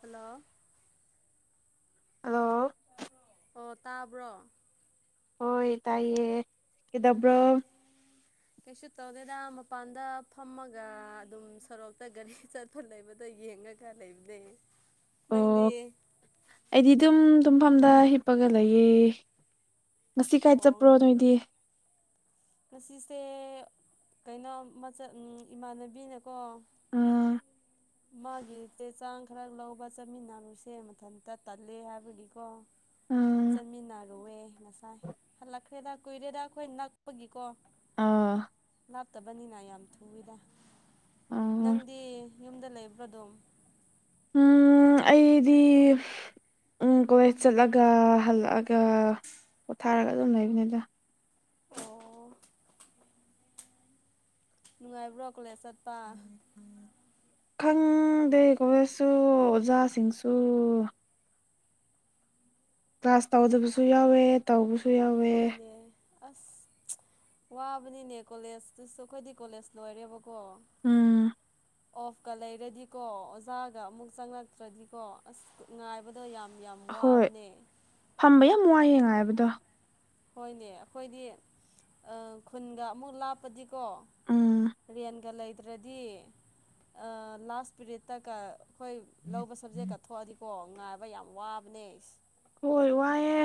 hello hello ꯑꯣ ꯇꯥꯕ꯭ꯔꯣ ꯍꯣꯏ ꯇꯥꯏꯌꯦ ꯀꯩꯗꯧꯕ꯭ꯔꯣ ꯀꯩꯁꯨ ꯇꯧꯗꯦꯗ ꯃꯄꯥꯟꯗ ꯐꯝꯃꯒ ꯑꯗꯨꯝ ꯁꯣꯔꯣꯛꯇ ꯒꯥꯔꯤ ꯆꯠ ꯐꯨꯜ ꯂꯩꯕꯗ ꯌꯦꯡꯉꯒ ꯂꯩꯕꯅꯦ ꯅꯪꯗꯤ ꯑꯣ ꯑꯩꯗꯤ ꯑꯗꯨꯝ ꯇꯨꯝꯐꯝꯗ ꯍꯤꯞꯄꯒ ꯂꯩꯌꯦ ꯉꯁꯤ ꯀꯥꯏ ꯑꯣ ꯆꯠꯄ꯭ꯔꯣ ꯅꯣꯏꯗꯤ ꯉꯁꯤꯁꯦ ꯀꯩꯅꯣ ꯃꯆ ꯏꯃꯥꯟꯅꯕꯤꯅꯀꯣ ꯑꯥ ꯃꯥꯒꯤ ꯆꯦ ꯆꯥꯡ ꯈꯔ ꯂꯧꯕ ꯆꯠꯃꯤꯟꯅꯔꯨꯁꯦ ꯃꯊꯟꯇ ꯇꯜꯂꯦ ꯍꯥꯏꯕꯒꯤꯀꯣ ꯑꯥ ꯆꯠꯃꯤꯟꯅꯔꯨꯑꯦ ꯉꯁꯥꯏ ꯍꯜꯂꯛꯈ꯭ꯔꯦꯗ ꯀꯨꯏꯔꯦꯗ ꯑꯩꯈꯣꯏ ꯅꯛꯄꯒꯤꯀꯣ ꯍꯥꯞꯇꯕꯅꯤꯅ ꯌꯥꯝ ꯊꯨꯝꯃꯤꯗ ꯑꯥ ꯅꯪꯗꯤ ꯌꯨꯝꯗ ꯂꯩꯕ꯭ꯔꯣ ꯑꯗꯨꯝ ꯑꯩꯗꯤ ꯎꯝ ꯀꯣꯂꯦꯖ ꯆꯠꯂꯒ ꯍꯜꯂꯛꯑꯒ ꯄꯣꯊꯥꯔꯒ ꯑꯗꯨꯝ ꯂꯩꯕꯅꯤꯗ ꯑꯣ ꯅꯨꯡꯉꯥꯏꯕ꯭ꯔꯣ ꯀꯣꯂꯦꯖ ꯆꯠꯄ ꯈꯪꯗꯦ ꯀꯣꯂꯦꯖꯁꯨ ꯑꯣꯖꯥꯁꯤꯡꯁꯨ ꯀ꯭ꯂꯥꯁ ꯇꯧꯗꯕꯁꯨ ꯌꯥꯎꯋꯦ ꯇꯧꯕꯁꯨ ꯌꯥꯎꯋꯦ ꯍꯣꯢꯅꯦ ꯑꯁ ꯋꯥꯕꯅꯤꯅꯦ ꯀꯣꯂꯦꯖꯇꯨꯁꯨ ꯑꯩꯈꯣꯏꯗꯤ ꯀꯣꯂꯦꯖ ꯂꯣꯏꯔꯦꯕꯀꯣ ꯎꯝ ꯑꯣꯐꯀꯥ ꯂꯩꯔꯗꯤꯀꯣ ꯑꯣꯖꯥꯒ ꯑꯃꯨꯛ ꯆꯪꯪꯂꯛꯇ꯭ꯔꯗꯤꯀꯣ ꯑꯁ ꯉꯥꯏꯕꯗꯣ ꯌꯥꯝ ꯌꯥꯝ ꯍꯣꯏ ꯋꯥꯕꯅꯦ ꯐꯝꯕ ꯌꯥꯝ ꯋꯥꯏꯌꯦ ꯉꯥꯏꯕꯗꯣ ꯍꯣꯏꯅꯦ ꯑꯩꯈꯣꯏꯗꯤ ꯈꯨꯟꯒ ꯑꯃꯨꯛ ꯂꯥꯞ ꯄꯗꯤꯀꯣ ꯎꯝ ꯔꯦꯟꯒ ꯂꯩ ꯇ꯭ꯔꯗꯤ ꯂꯥꯁ ꯄꯤꯔꯦꯠꯇꯒ ꯑꯩꯈꯣꯏ ꯂꯧꯕ ꯁꯕꯖꯦꯛꯀ ꯊꯣꯛꯑꯗꯤ ꯀꯣ ꯉꯥꯏꯕ ꯌꯥꯝ ꯋꯥꯕꯅꯦ ꯍꯣꯏ ꯋꯥꯏꯌꯦ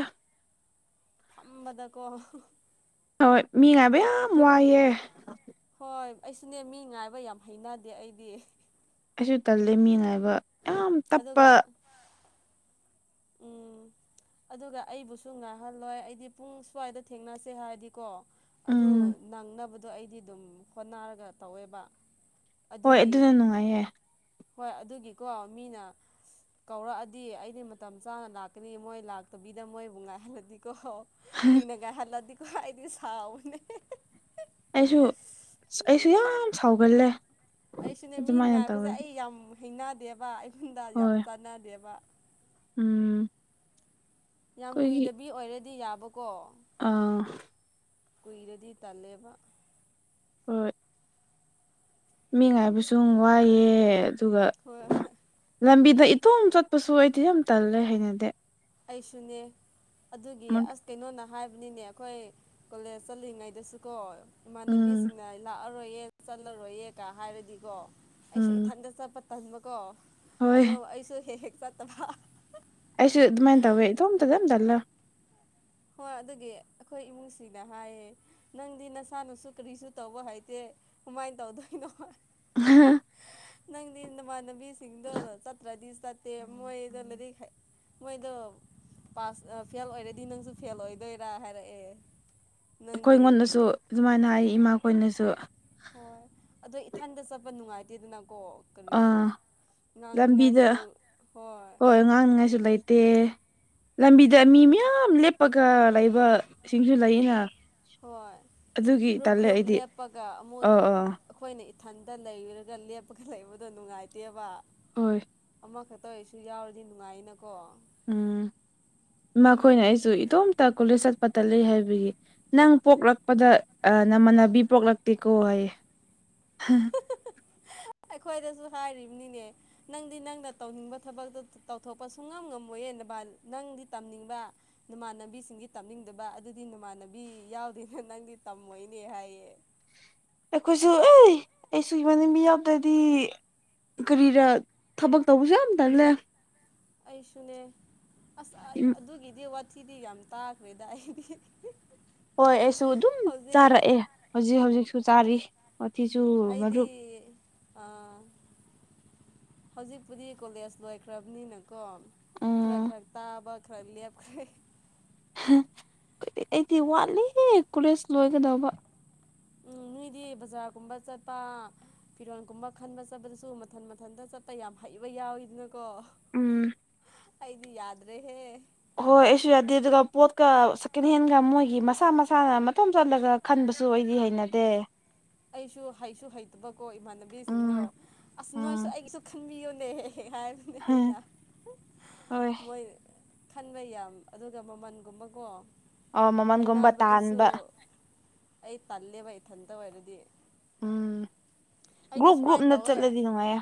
ꯐꯝꯕꯗꯀꯣ ꯍꯣꯏ ꯃꯤꯉꯥꯏꯕ ꯌꯥꯝ ꯀꯔꯤ ꯋꯥꯏꯌꯦ ꯍꯣꯏ ꯑꯩꯁꯨꯅꯦ ꯃꯤ ꯉꯥꯏꯕ ꯌꯥꯝ ꯍꯩꯅꯗꯦ ꯑꯩꯗꯤ ꯑꯩꯁꯨ ꯇꯜꯂꯦ ꯃꯤ ꯉꯥꯏꯕ ꯌꯥꯝ ꯇꯞꯄ ꯑꯗꯨꯒ [inaudible] ꯎꯝ ꯑꯗꯨꯒ ꯑꯩꯕꯨꯁꯨ ꯉꯥꯡꯍꯜꯂꯣꯏ ꯑꯩꯗꯤ ꯄꯨꯡ ꯁ꯭ꯋꯥꯏꯗ ꯊꯦꯡꯅꯁꯦ ꯍꯥꯏꯔꯗꯤꯀꯣ ꯑꯗꯨ ꯎꯝ ꯅꯪꯅꯕꯗꯣ ꯑꯩꯗꯤ ꯑꯗꯨꯝ ꯍꯣꯠꯅꯔꯒ ꯇꯧꯋꯦꯕ ꯍꯣꯏ ꯑꯗꯨꯒꯤ ꯑꯗꯨꯅ ꯅꯨꯡꯉꯥꯏꯌꯦ ꯍꯣꯏ ꯑꯗꯨꯒꯤꯀꯣ ꯃꯤꯅ ꯀꯧꯔꯛꯑꯗꯤ ꯑꯩꯗꯤ ꯃꯇꯝ ꯆꯥꯅ ꯂꯥꯛꯀꯅꯤ ꯃꯣꯏ ꯂꯥꯛꯇꯕꯤꯗ ꯃꯣꯏꯕꯨ ꯉꯥꯏꯍꯜꯂꯗꯤꯀꯣ ꯀꯨꯏꯅ ꯉꯥꯏꯍꯜꯂꯗꯤ ꯑꯩꯗꯤ ꯁꯥꯎꯕꯅꯦ ꯑꯩꯁꯨ ꯑꯩꯁꯨ ꯌꯥꯝ ꯁꯥꯎꯒꯜꯂꯦ ꯑꯩꯁꯨꯅꯦ ꯃꯤ ꯑꯗꯨꯃꯥꯏꯅ ꯉꯥꯏꯕꯁꯦ ꯇꯧꯔꯗꯤ ꯑꯩ ꯌꯥꯝ ꯍꯩꯅꯗꯦꯕ ꯑꯩꯉꯣꯟꯗ ꯌꯥꯝ ꯍꯣꯏ ꯆꯥꯟꯅꯗꯦꯕ ꯎꯝ ꯌꯥꯝ ꯑꯩꯈꯣꯏꯒꯤ ꯀꯨꯏꯗꯕꯤ ꯑꯣꯏꯔꯗꯤ ꯌꯥꯕꯀꯣ ꯑꯥ ꯀꯨꯏꯔꯗꯤ ꯇꯜꯂꯦꯕ ꯍꯣꯢ ꯃꯤ ꯉꯥꯏꯕꯁꯨ ꯋꯥꯏꯑꯦ ꯑꯗꯨꯒ ꯍꯣꯏ ꯂꯝꯕꯤꯗ ꯏꯇꯣꯝ ꯆꯠꯄꯁꯨ ꯑꯩꯗꯤ ꯌꯥꯝ ꯇꯜꯂꯦ ꯍꯥꯏꯅꯗꯦ ꯑꯩꯁꯨꯅꯦ ꯑꯗꯨꯒꯤ ꯃꯠ ꯑꯁ ꯀꯩꯅꯣꯅ ꯍꯥꯏꯕꯅꯤꯅꯦ ꯑꯩꯈꯣꯏ ꯀꯣꯂꯦꯖ ꯆꯠꯂꯤꯉꯩꯗꯁꯨ ꯀꯣ ꯎꯝ ꯏꯃꯥꯟꯅꯕꯤꯁꯤꯡꯅ ꯂꯥꯛꯑ ꯔꯣꯏꯌꯦ ꯆꯠꯂꯔꯣꯏꯌꯦ ꯀꯥ ꯍꯥꯏꯔꯗꯤꯀꯣ ꯑꯩꯁꯨ ꯎꯝ ꯏꯊꯟꯇ ꯆꯠꯄ ꯇꯟꯕ ꯀꯣ ꯍꯣꯏ ꯑꯗꯣ ꯑꯩꯁꯨ ꯍꯦꯛ ꯍꯦꯛ ꯆꯠꯇꯕ ꯑꯩꯁꯨ ꯑꯗꯨꯃꯥꯏꯅ ꯇꯧꯋꯦ ꯏꯇꯣꯝꯇꯗꯤ ꯑꯗꯨꯝ ꯇꯜꯂꯦ ꯍꯣꯏ ꯑꯗꯨꯒꯤ ꯑꯩꯈꯣꯏ ꯏꯃꯨꯡꯁꯤꯅ ꯍꯥꯏꯌꯦ ꯅꯪꯗꯤ ꯅꯁꯥꯅꯁꯨ ꯀꯔꯤꯁꯨ ꯇꯧꯕ ꯍꯥꯏꯇꯦ ꯀꯨꯃꯥꯏꯅ ꯇꯧꯗꯣꯏꯅꯣ ꯅꯪꯗꯤ ꯅꯃꯥꯟꯅꯕꯤꯁꯤꯡꯗꯣ ꯆꯠꯇ꯭ꯔꯥꯗꯤ ꯃꯣꯏꯗꯤ ꯃꯣꯏꯗꯣ ꯂꯥꯢꯔꯤꯛ ꯍꯩ ꯃꯣꯢꯗꯣ ꯄꯥꯁ ꯐꯦꯜ ꯑꯣꯏꯔꯗꯤ ꯅꯪꯁꯨ ꯐꯦꯜ ꯑꯣꯢꯗꯣꯢꯔꯥ ꯍꯥꯏꯔꯛꯑꯦ ꯑꯩꯈꯣꯏ ꯅꯪꯗꯤ ꯉꯣꯟꯗꯁꯨ ꯑꯗꯨꯃꯥꯏꯅ ꯍꯥꯏ ꯏꯃꯥꯈꯣꯏꯅꯁꯨ ꯍꯣꯏ ꯑꯗꯣ ꯏꯊꯟꯗ ꯆꯠꯄ ꯅꯨꯡꯉꯥꯏꯇꯦꯗꯅꯀꯣ ꯀꯔꯤ ꯑꯥ ꯂꯝꯕꯤꯗ ꯉꯥꯡꯅꯤꯉꯥꯏꯁꯨ ꯍꯣꯏ ꯉꯥꯡꯅꯤꯉꯥꯏꯁꯨ ꯂꯩꯇꯦ ꯂꯝꯕꯤꯗ ꯃꯤ ꯎꯝ ꯃꯌꯥꯝ ꯂꯦꯞꯄꯒ ꯂꯩꯕ ꯁꯤꯡꯁꯨ ꯂꯩꯌꯦꯅ ꯍꯣꯏ ꯑꯗꯨꯒꯤ ꯒ꯭ꯔꯨꯞ ꯇꯜꯂꯦ ꯒ꯭ꯔꯨꯞ ꯑꯩꯗꯤ ꯂꯦꯞꯄꯒ ꯑꯃꯨꯛ ꯑꯥ ꯑꯥ ꯑꯩꯈꯣꯏꯅ ꯏꯊꯟꯇ ꯂꯩꯔꯒ ꯂꯦꯞꯄꯒ ꯂꯩꯕꯗꯣ ꯅꯨꯡꯉꯥꯏꯇꯦꯕ ꯍꯣꯢ ꯑꯃꯈꯛꯇ ꯑꯣꯏꯁꯨ ꯌꯥꯎꯔꯗꯤ ꯅꯨꯡꯉꯥꯏꯅꯀꯣ ꯎꯝ ꯏꯃꯈꯣꯏꯅ ꯑꯗꯨꯅꯤ ꯑꯩꯁꯨ ꯏꯇꯣꯝꯇ ꯀꯣꯂꯦꯖ ꯆꯠꯄ ꯇꯥꯜꯂꯦ ꯍꯥꯏꯕꯒꯤ ꯅꯪ ꯄꯣꯛꯂꯛꯄꯗ ꯅꯃꯥꯟꯅꯕꯤ ꯄꯣꯛꯂꯛꯇꯦꯀꯣ ꯍꯥꯏꯌꯦ ꯑꯩꯈꯣꯏꯗꯁꯨ ꯍꯥꯏꯔꯤꯅꯤꯅꯦ ꯅꯪꯗꯤ ꯅꯪꯅ ꯇꯧꯅꯤꯡꯕ ꯊꯕꯛꯇꯣ ꯇꯧꯊꯣꯛꯄ ꯁꯨꯉꯝ ꯉꯝꯃꯣꯏꯅ ꯅꯪꯗꯤ ꯇꯝꯅꯤꯡꯕ ꯅꯨꯃꯥꯟꯅꯕꯤꯁꯤꯡꯗꯤ ꯇꯝꯅꯤꯡꯗꯕ ꯑꯗꯨꯗꯤ ꯅꯃꯥꯟꯅꯕꯤ ꯌꯥꯎꯗꯦꯅ ꯅꯪꯗꯤ ꯇꯝꯃꯣꯏꯅꯦ ꯍꯥꯏꯌꯦ ꯑꯩꯈꯣꯏꯁꯨ ꯑꯦ ꯑꯩꯁꯨ ꯏꯃꯥꯟꯅꯕꯤ ꯌꯥꯎꯗ꯭ꯔꯗꯤ ꯀꯔꯤꯔ ꯊꯕꯛ ꯇꯧꯕꯁꯨ ꯌꯥꯝ ꯇꯜꯂꯦ ꯑꯩꯁꯨꯅꯦ ꯑꯁ ꯑꯗꯨꯒꯤꯗꯤ ꯋꯥꯊꯤꯗꯤ ꯌꯥꯝ ꯇꯥꯈ꯭ꯔꯦꯗꯥ ꯑꯩꯗꯤ ꯍꯣꯏ ꯑꯩꯁꯨ ꯑꯗꯨꯝ ꯍꯧꯖꯤꯛ ꯆꯥꯔꯛꯑꯦ ꯍꯧꯖꯤꯛ ꯍꯧꯖꯤꯛꯁꯨ ꯆꯥꯔꯤ ꯋꯥꯊꯤꯁꯨ ꯃꯔꯨꯞ ꯑꯦ ꯑꯥ ꯍꯧꯖꯤꯛꯄꯨꯗꯤ ꯀꯣꯂꯦꯖ ꯂꯣꯏꯈ꯭ꯔꯕꯅꯤꯅꯀꯣ ꯈꯔꯥ ꯎꯝ ꯈꯔꯥ ꯇꯥꯕꯥ ꯈꯔꯥ ꯂꯦꯞꯈ꯭ꯔꯦ ꯑꯩꯗꯤ ꯋꯥꯠꯂꯤ ꯀꯣꯂꯦꯖ ꯂꯣꯏꯒꯗꯧꯕ ꯎꯝ ꯅꯣꯏꯗꯤ ꯕꯖꯥꯔꯒꯨꯝꯕ ꯆꯠꯄ ꯐꯤꯔꯣꯜꯒꯨꯝꯕ ꯈꯟꯕ ꯆꯠꯄꯗꯁꯨ ꯃꯊꯟ ꯃꯊꯟꯇ ꯆꯠꯄ ꯌꯥꯝ ꯍꯩꯕ ꯌꯥꯎꯋꯤꯗꯅ ꯀꯣ ꯎꯝ ꯑꯩꯗꯤ ꯌꯥꯗ꯭ꯔꯦꯍꯦ ꯍꯣꯏ ꯑꯩꯁꯨ ꯌꯥꯗꯦ ꯑꯗꯨꯒ ꯄꯣꯠꯀ ꯁꯦꯀꯦꯟ ꯍꯦꯟꯒ ꯃꯣꯏꯒꯤ ꯃꯁꯥ ꯃꯁꯥꯅ ꯃꯇꯣꯝ ꯆꯠꯂꯒ ꯈꯟꯕꯁꯨ ꯑꯩꯗꯤ ꯍꯩꯅꯗꯦ ꯑꯩꯁꯨ ꯍꯥꯏꯁꯨ ꯍꯩ ꯅꯠꯇꯕꯀꯣ ꯎꯝ ꯏꯃꯥꯟꯅꯕꯤꯁꯤꯡꯗꯣ ꯑꯁ ꯅꯣꯏꯁꯨ ꯎꯝ ꯑꯩꯒꯤꯁꯨ ꯈꯟꯕꯤꯌꯣꯅꯦꯍꯦ ꯍꯥꯏꯅ ꯍꯥꯢꯅ ꯍꯣꯏ ꯃꯣꯏ ꯈꯟꯕ ꯌꯥꯝ ꯑꯗꯨꯒ ꯃꯃꯟꯒꯨꯝꯕꯀꯣ ꯑꯣ ꯃꯃꯜꯒꯨꯝꯕ ꯍꯥꯏꯅꯕꯗꯨꯁꯨ ꯇꯥꯍꯟꯕ ꯑꯩ ꯇꯜꯂꯦꯕ ꯏꯊꯟꯇ ꯑꯣꯏꯔꯗꯤ ꯎꯝ ꯑꯩꯗꯤ ꯒ꯭ꯔꯨꯞ ꯁꯨꯃꯥꯏꯅ ꯒ꯭ꯔꯨꯞꯅ ꯇꯧꯋꯦ ꯆꯠꯂꯗꯤ ꯅꯨꯡꯉꯥꯏꯌꯦ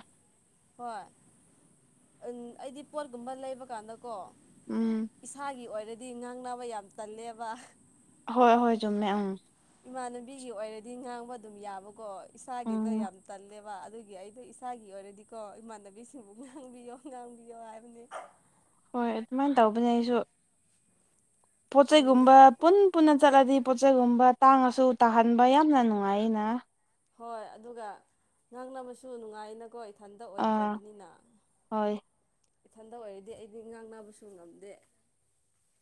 ꯍꯣꯏ ꯑꯩꯗꯤ ꯄꯣꯠꯀꯨꯝꯕ ꯂꯩꯕ ꯀꯥꯟꯗ ꯀꯣ ꯎꯝ ꯏꯁꯥꯒꯤ ꯑꯣꯏꯔꯗꯤ ꯉꯥꯡꯅꯕ ꯌꯥꯝ ꯇꯜꯂꯦꯕ ꯍꯣꯏ ꯍꯣꯏ ꯆꯨꯝꯃꯦ ꯎꯝ ꯏꯃꯥꯟꯅꯕꯤꯒꯤ ꯑꯣꯏꯔꯗꯤ ꯉꯥꯡꯕ ꯑꯗꯨꯝ ꯌꯥꯕꯀꯣ ꯏꯁꯥꯒꯤꯗ ꯎꯝ ꯌꯥꯝ ꯇꯜꯂꯦꯕ ꯋꯥ ꯑꯗꯨꯒꯤ ꯑꯩꯗꯣ ꯏꯁꯥꯒꯤ ꯑꯣꯏꯔꯗꯤꯀꯣ ꯏꯃꯥꯟꯅꯕꯤꯁꯤꯡꯕꯨ ꯉꯥꯡꯕꯤꯌꯣ ꯉꯥꯡꯕꯤꯌꯣ ꯍꯥꯏꯕꯅꯦ ꯍꯣꯏ ꯑꯗꯨꯃꯥꯏꯅ ꯇꯧꯕꯅꯦ ꯑꯩꯁꯨ ꯄꯣꯠ ꯆꯩꯩ ꯎꯝ ꯒꯨꯝꯕ ꯄꯨꯟ ꯄꯨꯟꯅ ꯆꯠꯂꯗꯤ ꯄꯣꯠꯆꯩꯒꯨꯝꯕ ꯇꯥꯡꯉꯁꯨ ꯇꯥꯍꯟꯕ ꯌꯥꯝꯅ ꯅꯨꯡꯉꯥꯏꯌꯦꯅꯥ ꯍꯣꯏ ꯑꯗꯨꯒ ꯉꯥꯡꯅꯕꯁꯨ ꯅꯨꯡꯉꯥꯏꯅꯀꯣ ꯏꯊꯟꯇ ꯑꯥ ꯑꯣꯏꯗ꯭ꯔꯕꯅꯤꯅ ꯍꯣꯏ ꯏꯊꯟꯗ ꯑꯣꯏꯔꯗꯤ ꯑꯩꯗꯤ ꯉꯥꯡꯅꯕꯁꯨ ꯉꯝꯗꯦ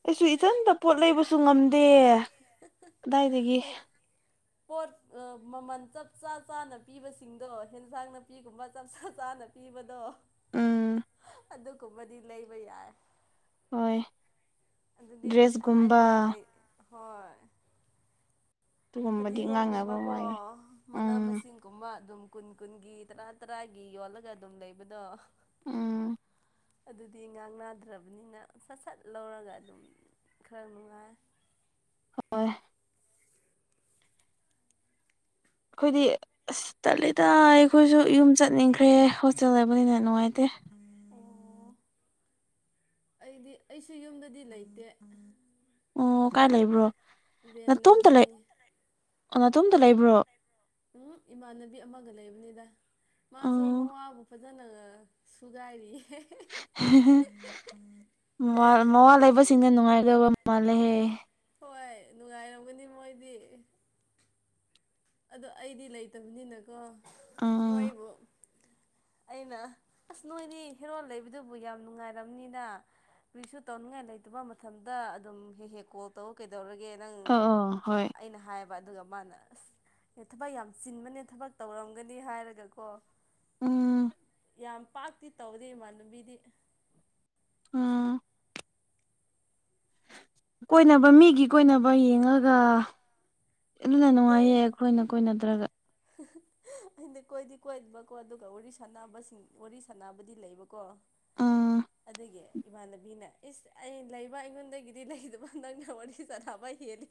ꯑꯩꯁꯨ ꯏꯊꯟꯇ ꯄꯣꯠ ꯂꯩꯕꯁꯨ ꯉꯝꯗꯦ ꯀꯗꯥꯏꯗꯒꯤ ꯍꯣꯏ ꯄꯣꯠ ꯃꯃꯜ ꯆꯞ ꯆꯥ ꯆꯥꯅ ꯄꯤꯕꯁꯤꯡꯗꯣ ꯑꯦꯟꯁꯥꯡ ꯅꯥꯄꯤꯒꯨꯝꯕ ꯆꯞ ꯆꯥ ꯆꯥꯅ ꯄꯤꯕꯗ‌ꯣ ꯎꯝ ꯑꯗꯨꯒꯨꯝꯕꯗꯤ ꯂꯩꯕ ꯌꯥꯏ ꯍꯣꯏ ꯑꯗꯨꯗꯤ ꯗ꯭ꯔꯦꯁꯀꯨꯝꯕ ꯍꯥꯏꯅꯉꯥꯏ ꯂꯩ ꯍꯣꯏ ꯑꯗꯨꯒꯨꯝꯕꯗꯤ ꯐꯗꯤꯒꯣꯝ ꯉꯥꯡꯅꯕ ꯒꯨꯝꯕꯀꯣ ꯋꯥꯏꯌꯦ ꯃꯅꯥ ꯎꯝ ꯅꯨꯡꯁꯤꯡ ꯀꯨꯝꯕ ꯑꯗꯨꯝ ꯀꯨꯟ ꯀꯨꯟꯒꯤ ꯇꯔꯥ ꯇꯔꯥꯒꯤ ꯌꯣꯜꯂꯒ ꯑꯗꯨꯝ ꯂꯩꯕꯗꯣ ꯎꯝ ꯑꯗꯨꯗꯤ ꯉꯥꯡ ꯅꯥꯗ꯭ꯔꯕꯅꯤꯅ ꯁꯠ ꯁꯠ ꯂꯧꯔꯒ ꯑꯗꯨꯝ ꯈꯔ ꯅꯨꯡꯉꯥꯏ ꯍꯣꯏ ꯑꯩꯈꯣꯏꯗꯤ ꯑꯁ ꯆꯠꯂꯤꯗ ꯑꯩꯈꯣꯏꯁꯨ ꯌꯨꯝ ꯆꯠꯅꯤꯡꯈ꯭ꯔꯦ ꯍꯣꯁꯇꯦꯜ ꯍꯥꯏꯕꯅꯤꯅ ꯅꯨꯡꯉꯥꯏꯇꯦ ꯑꯣ [inaudible] ꯑꯩꯗꯤ ꯑꯩꯁꯨ ꯌꯨꯝꯗꯗꯤ ꯂꯩꯇꯦ ꯑꯣ ꯀꯥꯏ ꯂꯩꯕ꯭ꯔꯣ ꯔꯦꯟ ꯅꯥꯇꯣꯝꯇ ꯂꯩꯕꯅꯦ ꯂꯩ ꯅꯥꯇꯣꯝꯇ ꯂꯩꯕ꯭ꯔꯣ ꯎꯝ ꯏꯃꯥꯟꯅꯕꯤ ꯑꯃꯒ ꯂꯩꯕꯅꯤꯗ ꯃꯥꯁꯨ ꯑꯣ ꯃꯋꯥꯕꯨ ꯐꯖꯅ ꯁꯨꯒꯥꯢꯔꯤ ꯃꯋꯥ ꯂꯩꯕꯁꯤꯡꯅ ꯅꯨꯡꯉꯥꯏꯒꯗꯕ ꯃꯥꯜꯂꯦꯍꯦ ꯍꯣꯏ ꯅꯨꯡꯉꯥꯏꯔꯝꯒꯅꯤ ꯃꯣꯏꯗꯤ ꯑꯗꯣ ꯑꯩꯗꯤ ꯂꯩꯇꯕꯅꯤꯅꯀꯣ ꯎꯝ ꯃꯣꯏꯕꯨ ꯑꯩꯅ ꯑꯁ ꯅꯣꯏꯗꯤ ꯍꯦꯔꯣꯟꯜ ꯂꯩꯕꯗꯨꯕꯨ ꯌꯥꯝ ꯅꯨꯡꯉꯥꯏꯔꯝꯅꯤꯗ ꯀꯨꯔꯤꯁꯨ ꯇꯧꯅꯤꯡꯉꯥꯏ ꯂꯩꯇꯕ ꯃꯇꯝꯗ ꯑꯗꯨꯝ ꯍꯦꯛ ꯍꯦꯛꯀꯣꯛ ꯇꯧ ꯀꯩꯗꯧꯔꯒꯦ ꯅꯪ ꯑꯣ ꯑꯣ ꯍꯣꯏ ꯑꯩꯅ ꯍꯥꯏꯕ ꯑꯗꯨꯒ ꯃꯥꯅ ꯑꯁ ꯑꯦ ꯊꯕꯛ ꯌꯥꯝ ꯆꯤꯟꯕꯅꯦ ꯊꯕꯛ ꯇꯧꯔꯝꯒꯅꯤ ꯍꯥꯏꯔꯒꯀꯣ ꯎꯝ ꯌꯥꯝ ꯄꯥꯛꯇꯤ ꯇꯧꯗꯦ ꯏꯃꯥꯟꯂꯝꯕꯤꯗꯤ ꯑꯥ ꯀꯣꯏꯅꯕ ꯃꯤꯒꯤ ꯀꯣꯏꯅꯕ ꯌꯦꯡꯉꯒ ꯑꯗꯨꯅ ꯅꯨꯡꯉꯥꯏꯌꯦ ꯑꯩꯈꯣꯏꯅ ꯀꯣꯏꯅꯗ꯭ꯔꯒ [unintelligible] ꯍꯗꯤ ꯀꯣꯏꯗꯤ ꯀꯣꯏꯗꯕꯀꯣ ꯑꯗꯨꯒ ꯋꯥꯔꯤ ꯁꯥꯅꯕꯁꯤꯡ ꯋꯥꯔꯤ ꯁꯅꯕꯗꯤ ꯂꯩꯕꯀꯣ ꯑꯥ ꯑꯗꯒꯤ ꯏꯃꯥꯟꯅꯕꯤꯅ ꯏꯁ ꯑꯩ ꯂꯩꯕ ꯑꯩꯉꯣꯟꯗꯒꯤꯗꯤ ꯂꯩꯗꯕ ꯅꯪꯒ ꯋꯥꯔꯤ ꯆꯥꯟꯅꯕ ꯍꯦꯜꯂꯤ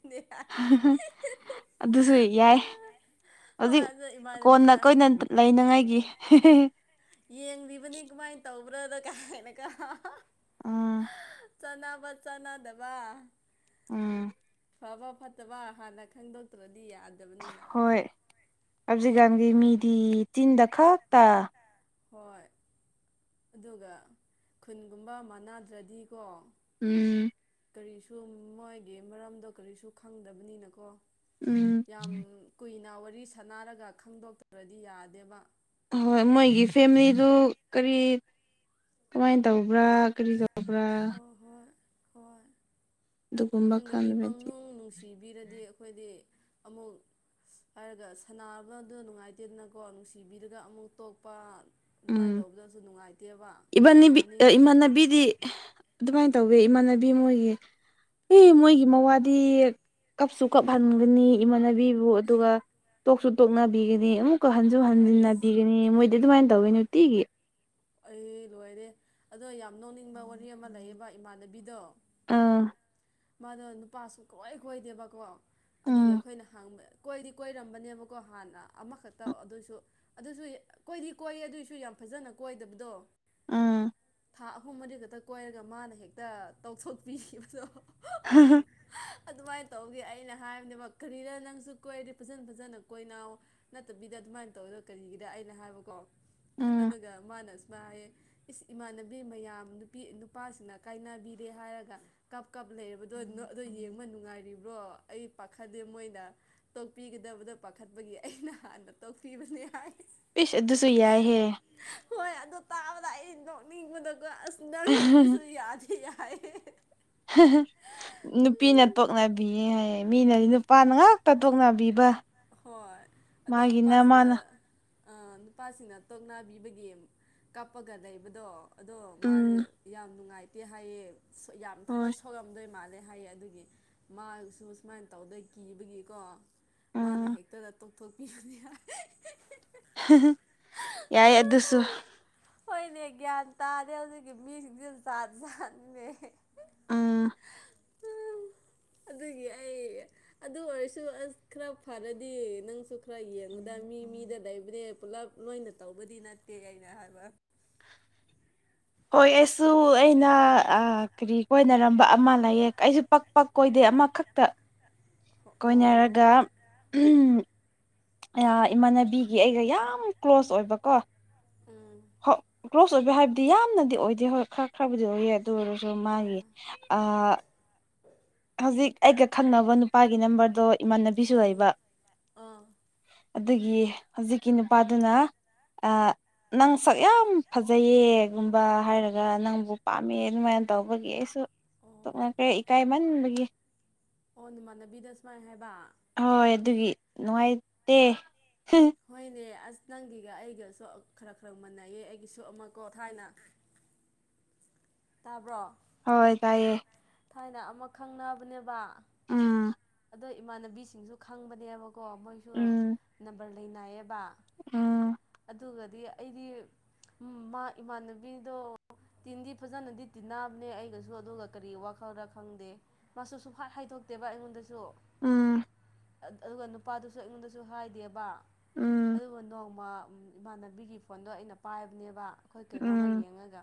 ꯑꯗꯨꯁꯨ ꯌꯥꯏ ꯍꯣꯏ ꯍꯧꯖꯤꯛ ꯑꯗꯣ ꯀꯣꯟꯅ ꯏꯃꯥꯟꯅꯕꯤꯅ ꯀꯣꯏꯅ ꯂꯩꯅꯥꯉꯥꯏꯒꯤ ꯌꯦꯡꯂꯤꯕꯅꯤ ꯀꯃꯥꯏꯅ ꯇꯧꯕ꯭ꯔꯥꯗ ꯀꯥꯏꯅꯒ ꯑꯥ ꯆꯠꯅꯥꯕ ꯆꯠꯅꯥꯗꯕ ꯎꯝ ꯐꯕ ꯐꯠꯇꯕ ꯍꯥꯟꯅ ꯈꯪꯗꯣꯛꯇ꯭ꯔꯗꯤ ꯌꯥꯗꯦ ꯍꯣꯏ ꯍꯧꯖꯤꯛꯀꯥꯟꯗꯤ ꯃꯤꯗꯤ ꯆꯤꯟꯗ ꯈꯛꯇ ꯑ ꯍꯣꯏ ꯑꯗꯨꯒ ꯈꯨꯟꯒꯨꯝꯕ ꯃꯥꯟꯅꯗ꯭ꯔꯗꯤꯀꯣ ꯎꯝ ꯀꯔꯤꯁꯨ ꯃꯣꯏꯒꯤ ꯃꯔꯝꯗꯣ ꯀꯔꯤꯁꯨ ꯈꯪꯗꯕꯅꯤꯅꯀꯣ ꯎꯝ ꯌꯥꯝ ꯀꯨꯏꯅ ꯋꯥꯔꯤ ꯁꯥꯅꯔꯒ ꯈꯪꯗꯣꯛꯇ꯭ꯔꯗꯤ ꯌꯥꯗꯦꯕ ꯍꯣꯏ ꯃꯣꯏꯒꯤ ꯐꯦꯃꯤꯂꯤꯗꯨ ꯀꯔꯤ ꯀꯃꯥꯏ ꯇꯧꯕ꯭ꯔꯥ ꯀꯔꯤ ꯇꯧꯕ꯭ꯔꯥ ꯍꯣꯏ ꯍꯣꯏ ꯍꯣꯏ ꯑꯗꯨꯒꯨꯝꯕ ꯈꯪꯗꯕꯤ ꯈꯟꯕꯗꯤ ꯄꯪꯅꯨꯡ ꯅꯨꯡꯁꯤꯕꯤꯔꯗꯤ ꯑꯩꯈꯣꯏꯗꯤ ꯑꯃꯨꯛ ꯍꯥꯏꯔꯒ ꯁꯥꯟꯅꯕꯗꯨ ꯅꯨꯡꯉꯥꯏꯇꯦꯗꯅꯀꯣ ꯅꯨꯡꯁꯤꯕꯤꯔꯒ ꯑꯃꯨꯛ ꯇꯣꯛꯄ ꯑꯗꯨꯃꯥꯏꯅ ꯎꯝ ꯇꯧꯕꯗꯁꯨ ꯅꯨꯡꯉꯥꯏꯇꯦꯕ ꯇꯧꯅꯤꯡꯗꯦ ꯏꯗꯤ ꯑꯗꯨꯃꯥꯏꯅ ꯇꯧꯋꯦ ꯏꯃꯥꯟꯅꯕꯤ ꯃꯣꯏꯒꯤ ꯑꯦ ꯃꯣꯏꯒꯤ ꯃꯋꯥꯗꯤ ꯀꯞꯁꯨ ꯀꯞꯍꯟꯒꯅꯤ ꯏꯃꯥꯟꯅꯕꯤꯕꯨ ꯑꯗꯨꯒ ꯇꯣꯛꯁꯨ ꯇꯣꯛꯅꯕꯤꯒꯅꯤ ꯑꯃꯨꯛꯀ ꯍꯟꯁꯨ ꯑꯁ ꯍꯟꯖꯤꯟꯅꯕꯤꯒꯅꯤ ꯃꯣꯏꯗꯤ ꯑꯗꯨꯃꯥꯏꯅ ꯇꯧꯏ ꯅꯨꯡꯇꯤꯒꯤ ꯑꯩ ꯂꯣꯏꯔꯦ ꯑꯗꯣ ꯌꯥꯝ ꯅꯣꯛꯅꯤꯡꯕ ꯋꯥꯔꯤ ꯑꯃ ꯂꯩꯌꯦꯕ ꯏꯃꯥꯟꯅꯕꯤꯗꯣ ꯑꯥ ꯃꯥꯗꯣ ꯅꯨꯄꯥ ꯁꯨꯡꯀꯣꯏ ꯀꯣꯏꯗꯦꯕꯀꯣ ꯑꯗꯨꯒꯤ ꯎꯝ ꯑꯩꯈꯣꯏꯅ ꯍꯪꯕ ꯀꯣꯏꯗꯤ ꯀꯣꯏꯔꯝꯕꯅꯦꯕꯀꯣ ꯍꯥꯟꯅ ꯑꯃꯈꯛꯇ ꯑꯗꯨꯁꯨ ꯑꯗꯨꯁꯨ ꯀꯣꯏꯗꯤ ꯀꯣꯏꯌꯦ ꯑꯗꯨꯏꯁꯨ ꯌꯥꯝ ꯐꯖꯅ ꯀꯣꯏꯗꯕꯗꯣ ꯎꯝ ꯊꯥ ꯑꯍꯨꯝ ꯃꯔꯤ ꯈꯛꯇ ꯀꯣꯏꯔꯒ ꯃꯥꯅ ꯍꯦꯛꯇ ꯇꯧꯊꯣꯛꯄꯤꯈꯤꯕꯗꯣ [unintelligible] ꯑꯗꯨꯃꯥꯏꯅ ꯇꯧꯕꯒꯤ ꯑꯩꯅ ꯍꯥꯏꯕꯅꯦ ꯀꯔꯤꯔ ꯅꯪꯁꯨ ꯀꯣꯏꯔꯗꯤ ꯐꯖꯟ ꯐꯖꯅ ꯀꯣꯏꯅꯧ ꯅꯠꯇꯕꯤꯗ ꯑꯗꯨꯃꯥꯏꯅ ꯇꯧꯕꯗꯣ ꯀꯔꯤꯒꯤꯗ ꯑꯩꯅ ꯍꯥꯏꯕꯀꯣ ꯎꯝ ꯑꯗꯨꯒ ꯃꯥꯅ ꯁꯨꯃꯥꯏꯅ ꯍꯥꯏꯌꯦ ꯏꯁ ꯏꯃꯥꯟꯅꯕꯤ ꯃꯌꯥꯝ ꯅꯨꯄꯤ ꯅꯨꯄꯥꯁꯤꯡꯅ ꯀꯥꯏꯅꯕꯤꯔꯦ ꯍꯥꯏꯔꯒ ꯀꯞ ꯀꯞ ꯂꯩꯔꯕꯗꯣ ꯑꯗꯣ ꯌꯦꯡꯕ ꯅꯨꯡꯉꯥꯏꯔꯤꯕ꯭ꯔꯣ ꯑꯩ ꯄꯥꯈꯂꯦ ꯃꯣꯏꯅ ꯇꯣꯛꯄꯤꯒꯗꯕꯗꯣ ꯄꯥꯈꯠꯄꯒꯤ ꯑꯩꯅ ꯍꯥꯟꯅ ꯇꯣꯛꯄꯤꯕꯅꯤ ꯍꯥꯏ ꯏꯁ ꯑꯗꯨꯁꯨ ꯌꯥꯏꯍꯦ ꯍꯣꯏ ꯑꯗꯣ ꯇꯥꯕꯗ ꯑꯩ ꯅꯣꯛꯅꯤꯡꯕꯗꯀꯣ ꯑꯁ ꯅꯪꯒꯤꯗꯨꯁꯨ ꯌꯥꯗꯦ ꯌꯥꯏ [unintelligible] ꯅꯨꯄꯤꯅ ꯇꯣꯛꯅꯕꯤꯌꯦ ꯍꯥꯏꯌꯦ ꯃꯤꯅꯗꯤ ꯅꯨꯞ ꯄꯥꯥꯅ ꯉꯥꯛꯇ ꯇꯣꯛꯅꯕꯤꯕ ꯍꯣꯏ ꯃꯥꯒꯤꯅ ꯃꯥꯅ ꯑ ꯅꯨꯄꯥꯁꯤꯡꯅ ꯇꯣꯛꯅꯥꯕꯤꯕꯒꯤ ꯀꯞꯄꯒ ꯂꯩꯕꯗꯣ ꯑꯗꯣ ꯃꯥꯁꯦ ꯎꯝ ꯌꯥꯝ ꯅꯨꯡꯉꯥꯏꯇꯦ ꯍꯥꯏꯌꯦ ꯌꯥꯝ ꯊꯃꯣꯏ ꯍꯣꯏ ꯁꯣꯛꯑꯝ ꯗꯣꯏ ꯃꯥꯜꯂꯦ ꯍꯥꯏꯌꯦ ꯑꯗꯨꯒꯤ ꯃꯥꯁꯨ ꯁꯨꯃꯥꯏꯅ ꯇꯧꯗꯣꯏ ꯀꯤꯕꯒꯤꯀꯣ ꯃꯥꯅ ꯎꯝ ꯍꯦꯛꯇꯗ ꯇꯣꯛꯊꯣꯛꯄꯤꯕꯅꯤ ꯍꯥꯏ ꯌꯥꯏ ꯑꯗꯨꯁꯨ ꯍꯣꯏꯅꯦ ꯒ꯭ꯌꯥꯟ ꯇꯥꯗꯦ ꯍꯧꯖꯤꯛꯀꯤ ꯃꯤꯁꯤꯡꯁꯤꯁꯨ ꯖꯥꯠ ꯖꯥꯠꯅꯤꯅꯦ ꯑꯥ ꯑꯗꯨꯒꯤ ꯑꯩ ꯑꯗꯨ ꯑꯣꯏꯔꯁꯨ ꯑꯁ ꯈꯔ ꯐꯔꯗꯤ ꯅꯪꯁꯨ ꯈꯔ ꯌꯦꯡꯉꯨꯗ ꯃꯤ ꯃꯤꯗ ꯂꯩꯩꯕꯅꯦ ꯄꯨꯂꯞ ꯂꯣꯏꯅ ꯇꯧꯕꯗꯤ ꯅꯠꯇꯦ ꯑꯩꯅ ꯍꯥꯏꯕ ꯍꯣꯏ ꯑꯩꯁꯨ ꯑꯩꯅ ꯀꯔꯤ ꯀꯣꯏꯅꯔꯝꯕ ꯑꯃ ꯂꯩꯌꯦ ꯑꯩꯁꯨ ꯄꯛ ꯀꯣꯏꯗꯦ ꯑꯃꯈꯛꯇ ꯑꯣ ꯀꯣꯏꯅꯔꯒ ꯏꯃꯥꯟꯅꯕꯤꯒꯤ ꯑꯩꯒ ꯌꯥꯝ ꯀ꯭ꯂꯣꯁ ꯑꯣꯏꯕꯀꯣ ꯑꯥꯝ ꯍꯣꯏ ꯀ꯭ꯂꯣꯖ ꯑꯣꯏꯕ ꯍꯥꯏꯕꯗꯤ ꯌꯥꯝꯅꯗꯤ ꯑꯣꯏꯗꯦ ꯍꯣꯏ ꯈꯔ ꯈꯔꯕꯨꯗꯤ ꯑꯣꯏꯌꯦ ꯑꯗꯨ ꯑꯣꯏꯔꯁꯨ ꯑꯗꯣ ꯑꯣ ꯃꯥꯒꯤ ꯑꯥ ꯍꯧꯖꯤꯛ ꯑꯩꯒ ꯈꯪꯅꯕ ꯅꯨꯄꯥꯒꯤ ꯅꯝꯕꯔꯗꯣ ꯏꯃꯥꯟꯅꯕꯤꯁꯨ ꯎꯝ ꯂꯩꯕ ꯑꯥ ꯑꯗꯨꯒꯤ ꯍꯧꯖꯤꯛꯀꯤ ꯅꯨꯄꯥꯗꯨꯅ ꯑ ꯅꯪ ꯁꯛ ꯌꯥꯝ ꯐꯖꯩꯌꯦꯒꯨꯝꯕ ꯍꯥꯏꯔꯒ ꯅꯪꯕꯨ ꯄꯥꯝꯃꯦ ꯑꯗꯨꯃꯥꯏꯅ ꯇꯧꯕꯒꯤ ꯑꯩꯁꯨ ꯑꯣ ꯇꯧꯔꯛꯇꯦ ꯏꯀꯥꯏꯃꯟꯕꯒꯤ ꯑꯣ ꯏꯃꯥꯟꯅꯕꯤꯗ ꯁꯨꯃꯥꯏ ꯍꯥꯏꯕ ꯍꯣꯏ ꯑꯗꯨꯒꯤ ꯅꯨꯡꯉꯥꯏꯇꯦ ꯍꯣꯏꯅꯦ ꯑꯁ ꯅꯪꯒꯤꯒ ꯑꯩꯒꯁꯨ ꯈꯔ ꯈꯔ ꯃꯥꯟꯅꯩꯌꯦ ꯑꯩꯒꯤꯁꯨ ꯑꯃꯀꯣ ꯊꯥꯏꯅ ꯇꯥꯕ꯭ꯔꯣ ꯍꯣꯏ ꯇꯥꯏꯌꯦ ꯊꯥꯏꯅ ꯑꯃ ꯈꯪꯅꯕꯅꯦꯕ ꯎꯝ ꯑꯗꯣ ꯏꯃꯥꯟꯅꯕꯤꯁꯤꯡꯁꯨ ꯈꯪꯕꯅꯦꯕꯀꯣ ꯃꯣꯏꯁꯨ ꯎꯝ ꯅꯝꯕꯔ ꯂꯩꯅꯥꯏꯌꯦꯕ ꯎꯝ ꯑꯗꯨꯒꯗꯤ ꯑꯩꯗꯤ ꯃꯥ ꯏꯃꯥꯟꯅꯕꯤꯗꯣ ꯇꯤꯟꯗꯤ ꯐꯖꯅꯗꯤ ꯇꯤꯟꯅꯕꯅꯦ ꯑꯩꯒꯁꯨ ꯑꯗꯨꯒ ꯀꯔꯤ ꯋꯥꯈꯜꯗ ꯈꯪꯗꯦ ꯃꯆꯨ ꯁꯨꯡꯍꯥꯢ ꯍꯥꯏꯗꯣꯛꯇꯦꯕ ꯑꯩꯉꯣꯟꯗꯁꯨ ꯎꯝ ꯑꯗꯨꯒ ꯅꯨꯄꯥꯗꯨꯁꯨ ꯑꯩꯉꯣꯟꯗꯁꯨ ꯍꯥꯏꯗꯦꯕ ꯎꯝ ꯑꯗꯨꯒ ꯅꯣꯡꯃ ꯏꯃꯥꯟꯅꯕꯤꯒꯤ ꯐꯣꯟꯗꯣ ꯑꯩꯅ ꯄꯥꯏꯕꯅꯦꯕ ꯑꯩꯈꯣꯏ ꯀꯩꯅꯣꯝꯃ ꯎꯝ ꯌꯦꯡꯉꯒ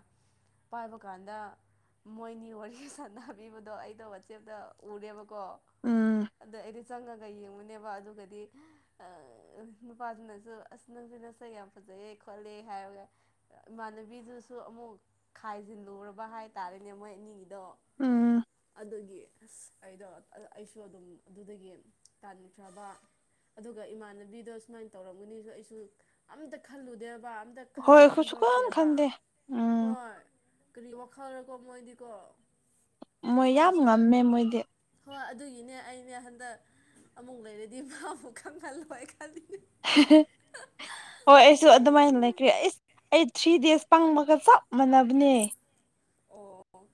ꯄꯥꯏꯕ ꯀꯥꯟꯗ ꯃꯣꯏꯅꯤ ꯋꯥꯔꯤ ꯁꯥꯟꯅꯕꯤꯕꯗꯣ ꯑꯩꯅ ꯋꯥꯆꯦꯞꯇ ꯎꯗꯦꯕꯒꯣ ꯎꯝ ꯑꯩꯅ ꯆꯪꯉꯒ ꯌꯦꯡꯉꯨꯅꯦꯕ ꯑꯗꯨꯒꯗꯤ ꯅꯨꯄꯥꯗꯨꯅꯁꯨ ꯑꯁ ꯅꯪꯁꯦ ꯌꯥꯝ ꯐꯖꯩꯌꯦ ꯈꯣꯠꯂꯦ ꯍꯥꯏꯔꯒ ꯏꯃꯥꯟꯅꯕꯤꯗꯨꯁꯨ ꯑꯃꯨꯛ ꯈꯥꯏꯖꯤꯜꯂꯨꯔꯕ ꯍꯥꯏ ꯇꯥꯔꯦꯅꯦ ꯃꯣꯏ ꯑꯅꯤꯒꯤ ꯗꯣ ꯎꯝ ꯑꯗꯨꯒꯤ ꯑꯁ ꯑꯩꯗꯣ ꯑꯩꯁꯨ ꯑꯗꯨꯝ ꯑꯗꯨꯗꯒꯤ ꯇꯥꯟꯈ꯭ꯔꯕ ꯑꯗꯨꯒ ꯏꯃꯥꯟꯅꯕꯤꯗꯣ ꯁꯨꯃꯥꯏꯅ ꯇꯧꯔꯝꯒꯅꯤꯁꯨ ꯑꯩꯁꯨ ꯑꯝꯇ ꯈꯜꯂꯨꯗꯦꯕ ꯑꯝꯇ ꯍꯣꯏ ꯈꯟꯁꯨ ꯑꯩꯈꯣꯏ ꯁꯨꯛꯈꯟ ꯈꯟꯗꯣꯛꯇꯦꯕ ꯈꯟꯗꯦ ꯎꯝ ꯍꯣꯏ ꯀꯔꯤ ꯋꯥꯈꯜꯔꯀꯣ ꯃꯣꯏꯗꯤꯀꯣ ꯃꯣꯏ ꯌꯥꯝ ꯁꯥꯎꯁꯨ ꯉꯝꯃꯦ ꯃꯣꯏꯗꯤ ꯍꯣꯏ ꯑꯗꯨꯒꯤꯅꯦ ꯑꯩꯅꯦ ꯍꯟꯗꯛ ꯑꯃꯨꯛ ꯂꯩꯔꯗꯤ ꯃꯥꯕꯨ ꯈꯪꯍꯜꯂꯣꯏ ꯑꯩ ꯈꯜꯂꯤꯅꯦ ꯍꯣꯏ ꯑꯩꯁꯨ ꯑꯗꯨꯃꯥꯏꯅ ꯂꯩꯈ꯭ꯔꯦ ꯑꯩꯁ ꯑꯩ ꯊ꯭ꯔꯤ ꯗꯦꯖ ꯄꯪꯃꯒ ꯁꯞ ꯃꯥꯟꯅꯕꯅꯦ ꯑꯣ